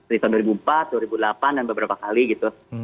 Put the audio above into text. di tahun dua ribu empat dua ribu delapan dan beberapa kali gitu